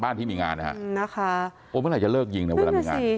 บ้านที่มีงานนะครับว่าเมื่อไหร่จะเลิกยิงนะเวลามีงาน